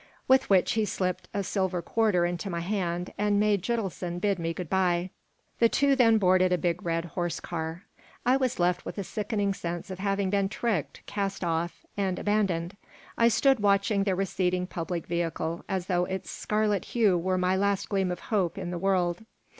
With which he slipped a silver quarter into my hand and made Gitelson bid me good by The two then boarded a big red horse car I was left with a sickening sense of having been tricked, cast off, and abandoned. I stood watching the receding public vehicle, as though its scarlet hue were my last gleam of hope in the world.